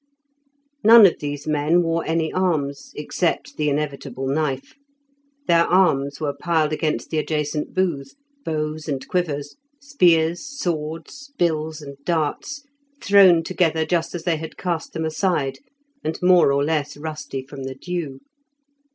None of these men wore any arms, except the inevitable knife; their arms were piled against the adjacent booth, bows and quivers, spears, swords, bills and darts, thrown together just as they had cast them aside, and more or less rusty from the dew.